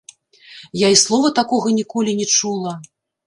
Я і слова такога ніколі не чула.